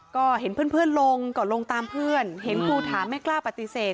ก็เห็นเพื่อนลงก็ลงตามเพื่อนเห็นครูถามไม่กล้าปฏิเสธ